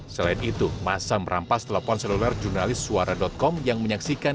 selain itu masa merampas telepon seluler jurnalis suara com yang menyaksikan